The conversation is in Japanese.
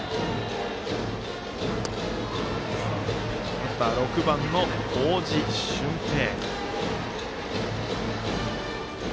バッター６番、大路隼平。